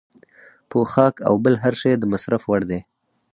پوښاک او بل هر شی د مصرف وړ دی.